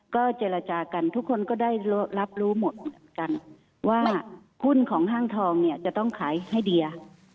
ก็เจรจากันทุกคนก็ได้รับรู้หมดเหมือนกันว่าหุ้นของห้างทองเนี่ยจะต้องขายให้เดีย